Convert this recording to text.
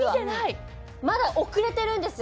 まだ遅れてるんです。